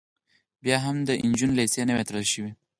بیا هم د نجونو لیسې نه وې تړل شوې